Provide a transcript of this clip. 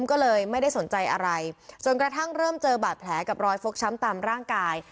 ก็เลยไม่ได้สนใจอะไรจนกระทั่งเริ่มเจอบาดแผลกับรอยฟกช้ำตามร่างกาย